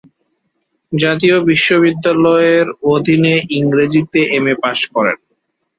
জাতীয় বিশ্ববিদ্যালয়ের অধীনে ইংরেজিতে এমএ পাস করেন।